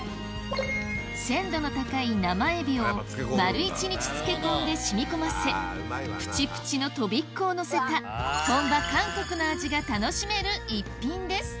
鮮度の高い生エビを丸一日漬け込んで染み込ませプチプチのトビッコをのせた本場韓国の味が楽しめる逸品です